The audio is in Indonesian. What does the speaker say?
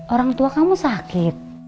orang tua kamu sakit